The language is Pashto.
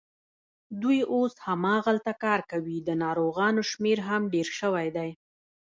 دوی اوس هماغلته کار کوي، د ناروغانو شمېر هم ډېر شوی دی.